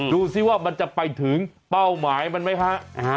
ดูสิว่ามันจะไปถึงเป้าหมายมันไหมฮะ